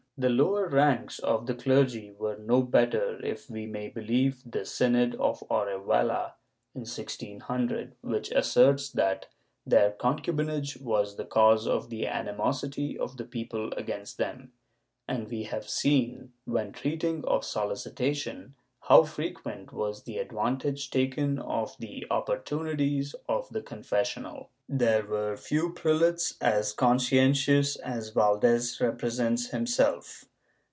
^ The lower ranks of the clergy were no better, if we may believe the synod of Orihuela, in 1600, which asserts that their concubinage was the cause of the animosity of the people against them,^ and we have seen, when treating of Solicitation, how frequent was the advantage taken of the oppor tunities of the confessional. There were few prelates as conscientious as Valdes represents himself.